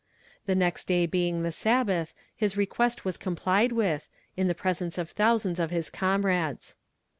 The next day being the Sabbath his request was complied with, in the presence of thousands of his comrades.